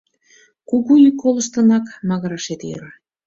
Куку йӱк колыштынак магырашет йӧра.